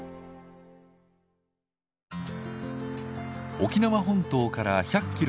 沖縄本島から１００キロ